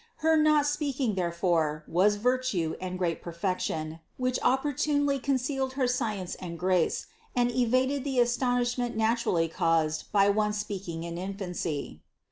Her not speaking there fore was virtue and great perfection, which opportunely concealed her science and grace, and evaded the aston ishment naturally caused by one speaking in infancy.